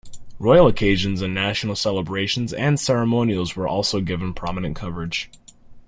Royal occasions and national celebrations and ceremonials were also given prominent coverage.